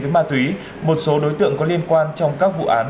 với ma túy một số đối tượng có liên quan trong các vụ án